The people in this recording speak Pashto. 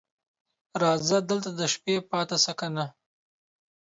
راځه دلته د شپې پاتې شه کنه